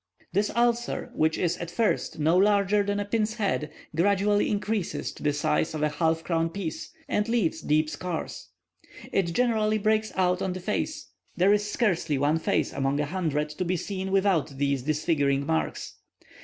This ulcer, which is at first no larger than a pin's head, gradually increases to the size of a halfcrown piece, and leaves deep scars. It generally breaks out on the face; there is scarcely one face among a hundred, to be seen without these disfiguring marks.